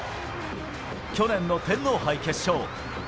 去年の天皇杯決勝。